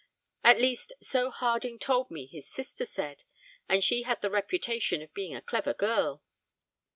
At least so Harding told me his sister said, and she had the reputation of being a clever girl.